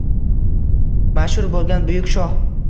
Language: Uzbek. Mashhur bo’lgan buyuk shoh